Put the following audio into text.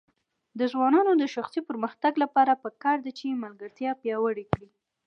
د ځوانانو د شخصي پرمختګ لپاره پکار ده چې ملګرتیا پیاوړې کړي.